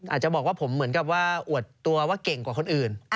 อาจจะบอกว่าผมเหมือนกับว่าอวดตัวว่าเก่งกว่าคนอื่น